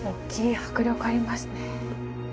迫力ありますね。